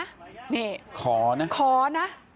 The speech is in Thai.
ขอนะขอนะขอนะ